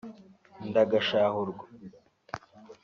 “ndagashahurwa